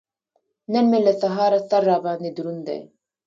نن مې له سهاره سر را باندې دروند دی.